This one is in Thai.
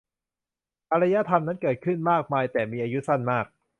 อารยธรรมนั้นเกิดขึ้นมากมายแต่มีอายุสั้นมาก